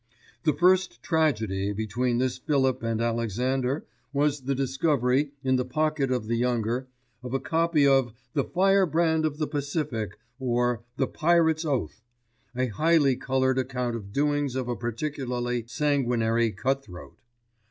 The first tragedy between this Philip and Alexander was the discovery, in the pocket of the younger, of a copy of The Firebrand of the Pacific; or The Pirate's Oath, a highly coloured account of doings of a particularly sanguinary cut throat.